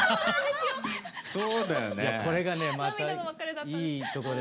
これがねまたいいとこで。